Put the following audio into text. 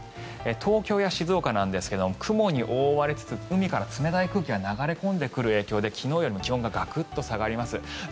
東京や静岡なんですが雲に覆われつつ海から冷たい空気が流れ込んでくる影響で昨日よりも気温がガクッと下がります。